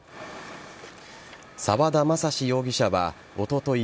沢田政嗣容疑者はおととい